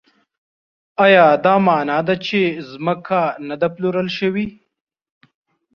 ایا دا مانا ده چې ځمکه نه ده پلورل شوې؟